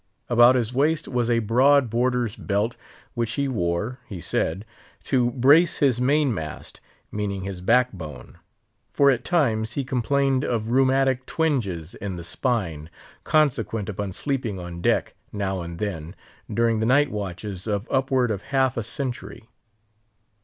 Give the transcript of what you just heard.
About his waist was a broad boarder's belt, which he wore, he said, to brace his main mast, meaning his backbone; for at times he complained of rheumatic twinges in the spine, consequent upon sleeping on deck, now and then, during the night watches of upward of half a century.